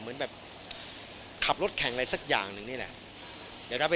เขาก็แบ่งขับรถแข็งอะไรสักอย่างนึงนี่แหละ